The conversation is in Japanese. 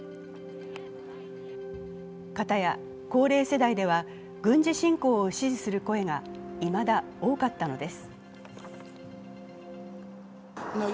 かたや高齢世代では軍事侵攻を支持する声がいまだ多かったのです。